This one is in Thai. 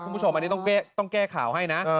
คุณผู้ชมอันนี้ต้องแก้ข่าวให้นะ